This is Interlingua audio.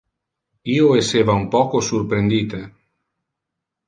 Io esseva un poco surprendite.